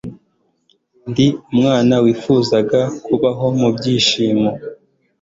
ndi umwana wifuzaga kubaho mu byishimo